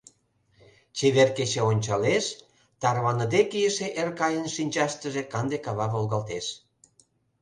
Чевер кече ончалеш, тарваныде кийыше Эркайын шинчаштыже канде кава волгалтеш.